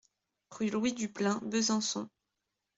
Rue Louis Duplain, Besançon